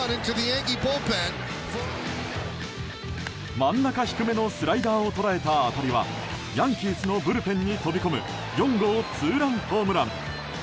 真ん中低めのスライダーを捉えた当たりはヤンキースのブルペンに飛び込む４号ツーランホームラン。